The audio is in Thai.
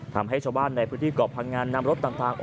ทำให้ชาวบ้านในพื้นที่กรอบภังงาน